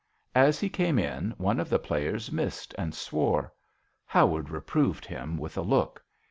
As he came in one of the players missed and swore. Howard reproved him with a look.